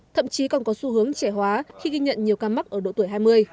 thậm chí còn có xu hướng trẻ hóa khi ghi nhận nhiều ca mắc ở độ tuổi hai mươi